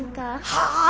はあ！？